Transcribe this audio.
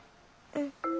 うん。